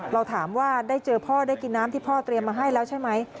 เราถามว่าได้เจอพ่อได้กินน้ำที่พ่อเตรียมมาให้แล้วใช่ไหม